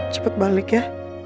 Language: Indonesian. cepet balik ya